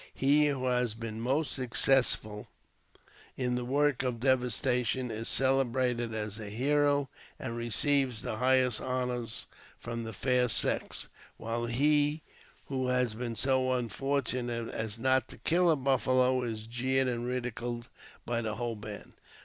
He who has been most successful in the work of devastation is celebrated as a hero, and receives the highest honours from the " fair sex," while he who has been so unfortunate as not to kill a buffalo is jeered and ridiculed by the whole band.